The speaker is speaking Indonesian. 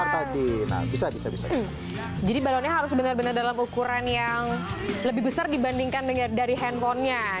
jadi balonnya harus benar benar dalam ukuran yang lebih besar dibandingkan dengan dari handphonenya